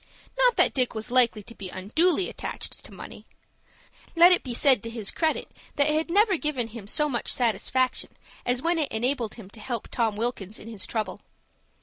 Not that Dick was likely to be unduly attached to money. Let it be said to his credit that it had never given him so much satisfaction as when it enabled him to help Tom Wilkins in his trouble.